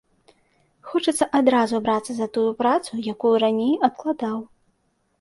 Хочацца адразу брацца за тую працу, якую раней адкладаў.